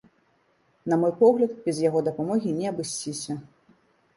На мой погляд, без яго дапамогі не абысціся.